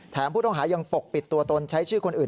ผู้ต้องหายังปกปิดตัวตนใช้ชื่อคนอื่น